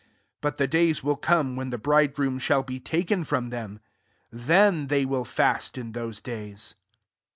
S5 But the days will come w^en the bridegroom shall be talcen ^m them : then they wlil fast in ^ose days.''